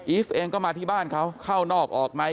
ฟเองก็มาที่บ้านเขาเข้านอกออกใน